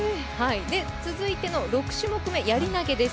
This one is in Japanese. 続いての６種目め、やり投です。